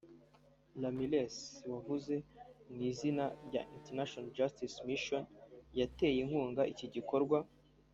Lan Mears wavuze mu izina rya International Justice Mission yateye inkunga iki gikorwa